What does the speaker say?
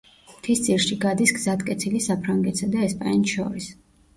მთისძირში გადის გზატკეცილი საფრანგეთსა და ესპანეთს შორის.